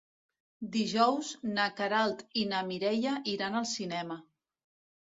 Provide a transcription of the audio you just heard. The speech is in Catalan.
Dijous na Queralt i na Mireia iran al cinema.